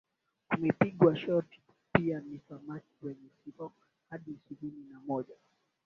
umepigwa shoti pia ni samaki wenye kilo hadi ishirini na moja